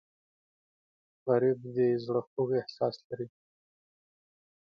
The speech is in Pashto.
غریب د زړه خوږ احساس لري